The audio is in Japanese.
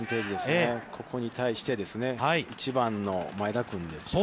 ここに対してですね、１番の前田君ですね。